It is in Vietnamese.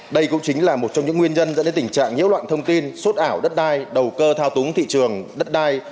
đây cũng chính là một trong những nguyên nhân dẫn đến tình trạng nhiễu loạn thông tin suốt ảo đất đai đầu cơ thao túng thị trường đất đai